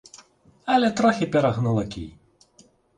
Але трохі перагнула кій.